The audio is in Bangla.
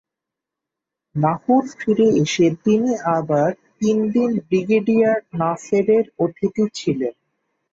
লাহোর ফিরে এসে তিনি আবার তিনদিন ব্রিগেডিয়ার নাসেরের অতিথি ছিলেন।